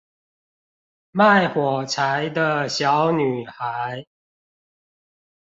賣火柴的小女孩